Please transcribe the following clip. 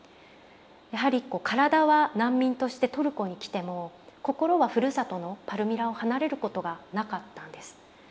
やはりこう体は難民としてトルコに来ても心はふるさとのパルミラを離れることがなかったんです。